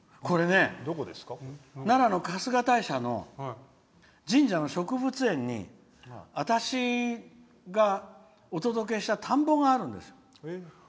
奈良の春日大社の神社の植物園に私がお届けした田んぼがあるんです。